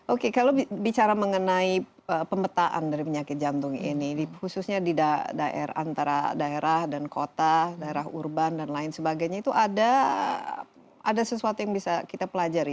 oke kalau bicara mengenai pemetaan dari penyakit jantung ini khususnya di daerah antara daerah dan kota daerah urban dan lain sebagainya itu ada sesuatu yang bisa kita pelajari